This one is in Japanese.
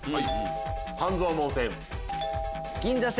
半蔵門線。